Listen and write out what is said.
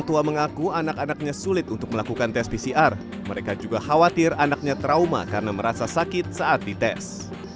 tidak khawatir anaknya trauma karena merasa sakit saat dites